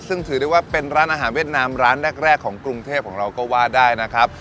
ซึ่งถือได้ว่าเป็นร้านอาหารเวียดนามร้านแรกของกรุงเทพของเราก็ว่าได้นะครับ